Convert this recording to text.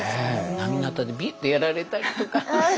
なぎなたでビュッてやられたりとか。